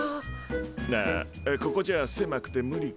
ああここじゃせまくて無理か。